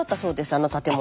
あの建物。